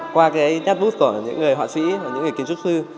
qua cái nét bút của những người họa sĩ và những người kiến trúc sư